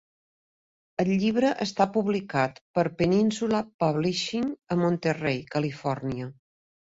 El llibre està publicat per Peninsula Publishing a Monterey, Califòrnia.